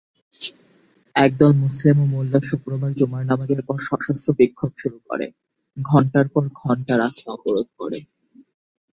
একদল মুসলিম ও মোল্লা শুক্রবার জুমার নামাজের পর সশস্ত্র বিক্ষোভ শুরু করে, ঘণ্টার পর ঘণ্টা রাস্তা অবরোধ করে।